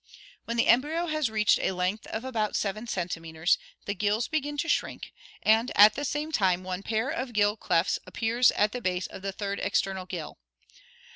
When the embryo has reached a length of about 7 cm., the gills begin to shrink, and at the same time one pair of gill clefts appears at the base of the third external gill.